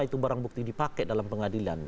itu barang bukti dipakai dalam pengadilan